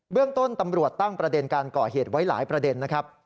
เรื่องต้นตำรวจตั้งประเด็นการก่อเหตุไว้หลายประเด็นนะครับ